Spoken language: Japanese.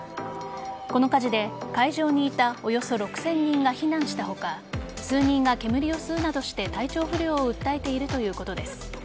この火事で会場にいたおよそ６０００人が避難した他数人が煙を吸うなどして体調不良を訴えているということです。